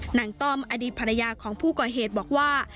ต้อมอดีตภรรยาของผู้ก่อเหตุบอกว่า